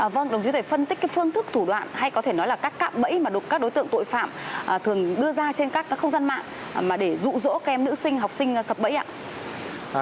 vâng đồng chí có thể phân tích phương thức thủ đoạn hay có thể nói là các cạm bẫy mà đục các đối tượng tội phạm thường đưa ra trên các không gian mạng mà để dụ dỗ các em nữ sinh học sinh sập bẫy ạ